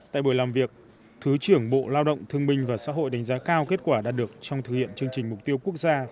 tại buổi làm việc thứ trưởng bộ lao động thương minh và xã hội đánh giá cao kết quả đạt được trong thực hiện chương trình mục tiêu quốc gia